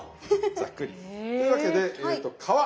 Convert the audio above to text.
ざっくり。というわけでえと皮。